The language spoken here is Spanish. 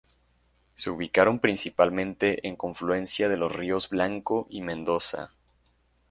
Se ubicaron principalmente en confluencia de los ríos Blanco y Mendoza.